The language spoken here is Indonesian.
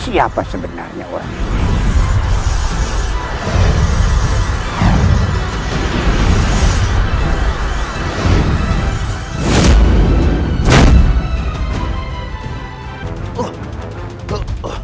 siapa sebenarnya orang ini